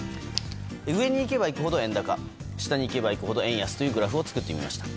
上にいけばいくほど円高下にいけばいくほど円安というグラフを作ってみました。